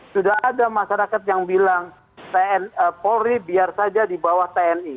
sudah ada masyarakat yang bilang tni polri biar saja di bawah tni